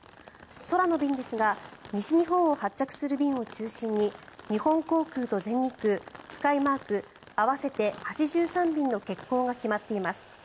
空の便ですが西日本を発着する便を中心に日本航空と全日空スカイマーク合わせて８３便の欠航が決まっています。